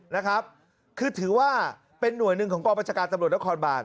นะครับคือถือว่าเป็นหน่วยหนึ่งของกรปัจจักรตำรวจและคอนบาน